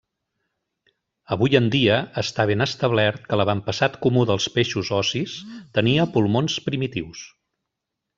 Avui en dia, està ben establert que l'avantpassat comú dels peixos ossis tenia pulmons primitius.